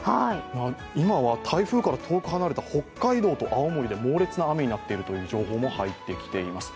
今は台風から遠く離れた北海道と青森で猛烈な雨になっているという情報も入ってきています。